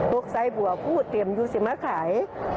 โรคใส่บวกกูเตรียมอยู่สิมาขาย